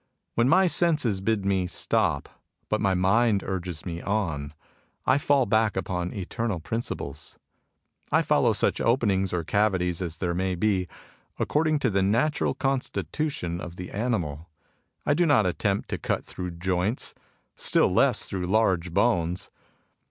When my senses bid me stop, but my mind urges me on, I fall back upon eternal principles. I follow such openings or cavities as there may be, according to the natural con stitution of the animal. I do not attempt to cut through joints : still less through large bones.